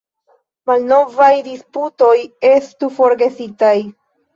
Malnovaj disputoj estu forgesitaj.